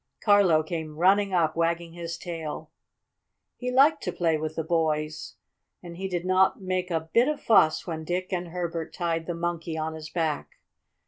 Carlo came running up, wagging his tail. He liked to play with the boys, and he did not make a bit of fuss when Dick and Herbert tied the Monkey on his back.